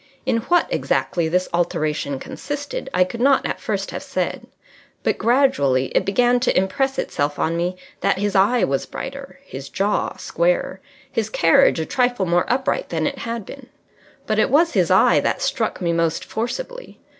In what exactly this alteration consisted I could not at first have said; but gradually it began to impress itself on me that his eye was brighter, his jaw squarer, his carriage a trifle more upright than it had been. But it was his eye that struck me most forcibly.